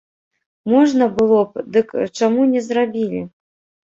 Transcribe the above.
Можна было б, дык чаму не зрабілі?